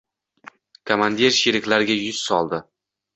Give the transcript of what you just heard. Komandir sheriklariga yuz soldi.